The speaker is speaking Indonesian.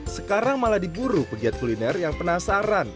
sekarang malah diburu pegiat kuliner yang penasaran